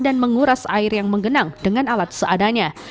dan menguras air yang mengenang dengan alat seadanya